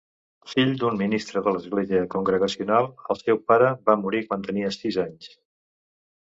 Fill d'un ministre de l'Església congregacional, el seu pare va morir quan tenia sis anys.